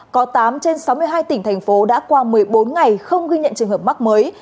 có tám trên sáu mươi hai tỉnh thành phố đã qua một mươi bốn ngày không ghi nhận trường hợp mắc mới